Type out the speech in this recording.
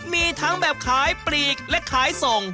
มีทั้งแบบขายปลีกและขายส่ง